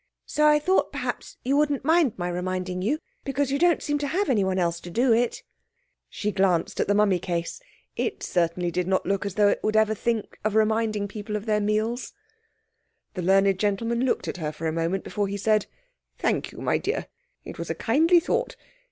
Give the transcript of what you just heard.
So I thought perhaps you wouldn't mind my reminding you, because you don't seem to have anyone else to do it." She glanced at the mummy case; it certainly did not look as though it would ever think of reminding people of their meals. The learned gentleman looked at her for a moment before he said— "Thank you, my dear. It was a kindly thought.